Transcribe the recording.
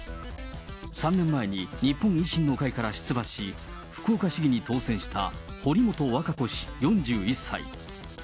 ３年前に日本維新の会から出馬し、福岡市議に当選した堀本和歌子氏４１歳。